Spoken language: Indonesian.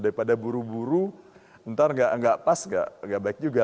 daripada buru buru nanti tidak pas tidak baik juga